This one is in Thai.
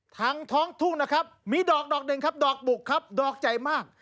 ท้องทุ่งนะครับมีดอกดอกหนึ่งครับดอกบุกครับดอกใหญ่มาก